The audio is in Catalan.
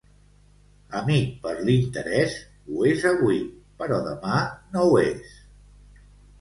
Amic per l'interès, ho és avui, però demà no ho és.